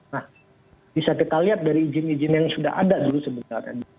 nah bisa kita lihat dari izin izin yang sudah ada dulu sebenarnya